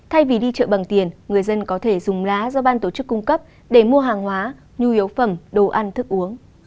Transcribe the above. thay vì đi chợ bằng tiền người dân có thể dùng lá do ban tổ chức cung cấp để mua hàng hóa nhu yếu phẩm đồ ăn thức uống